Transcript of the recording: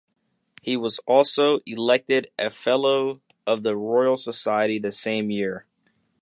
He was also elected a Fellow of the Royal Society the same year.